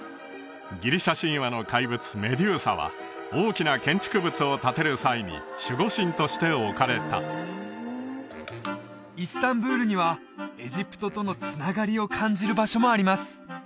ギリシャ神話の怪物メデューサは大きな建築物を建てる際に守護神として置かれたイスタンブールにはエジプトとのつながりを感じる場所もあります